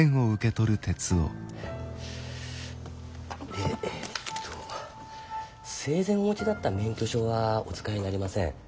でえっと生前お持ちだった免許証はお使いになれません。